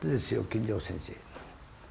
金城先生。